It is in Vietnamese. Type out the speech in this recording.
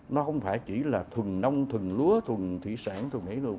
nó không phải chỉ là thùng nông thùng lúa thùng thủy sản thùng hủy lượng